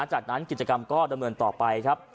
จากนั้นกิจกรรมก็ดำเนินต่อไปครับ